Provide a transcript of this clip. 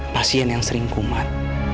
pasien yang sering kumat